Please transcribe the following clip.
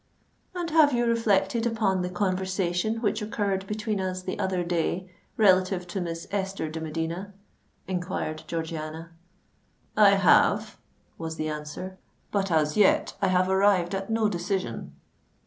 "And have you reflected upon the conversation which occurred between us the other day relative to Miss Esther de Medina?" enquired Georgiana. "I have," was the answer; "but as yet I have arrived at no decision."